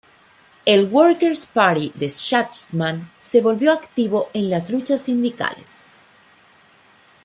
El Workers Party de Shachtman se volvió activo en las luchas sindicales.